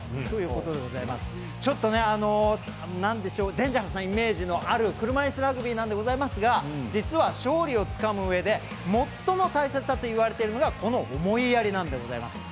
デンジャラスなイメージのある車いすラグビーでございますが実は、勝利をつかむうえで最も大切だといわれているのがこの、思いやりなんでございます。